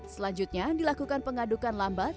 selanjutnya dilakukan pengadukan lambat